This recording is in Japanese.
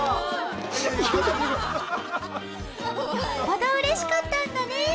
よっぽどうれしかったんだね